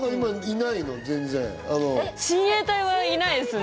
親衛隊はいないですね。